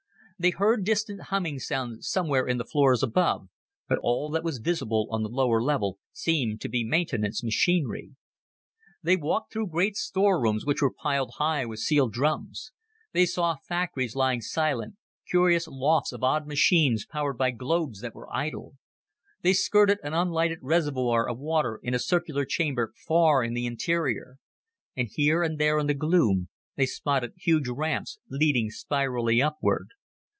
They heard distant humming sounds somewhere in the floors above, but all that was visible on the lower level seemed to be maintenance machinery. They walked through great storerooms which were piled high with sealed drums. They saw factories lying silent curious lofts of odd machines powered by globes that were idle. They skirted an unlighted reservoir of water in a circular chamber far in the interior. And here and there in the gloom, they spotted huge ramps leading spirally upward.